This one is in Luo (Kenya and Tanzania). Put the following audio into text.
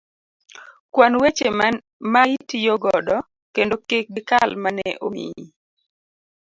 kwan weche ma itiyo godo kendo kik gikal mane omiyi.